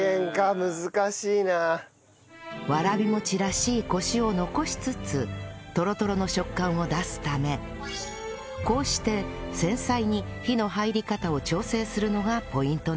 わらびもちらしいコシを残しつつとろとろの食感を出すためこうして繊細に火の入り方を調整するのがポイントなんです